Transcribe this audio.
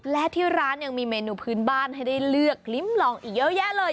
และที่ร้านยังมีเมนูพื้นบ้านให้ได้เลือกลิ้มลองอีกเยอะแยะเลย